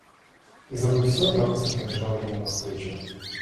И забыв всё, радостно побежала ему навстречу.